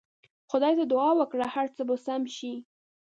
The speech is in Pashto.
خدای ته دعا وکړه هر څه به سم سي.